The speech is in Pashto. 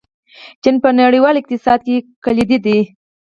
چین په نړیوال اقتصاد کې کلیدي دی.